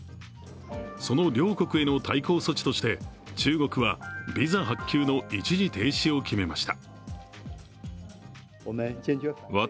その両国への対抗措置として中国はビザ発給の一時停止を決めました。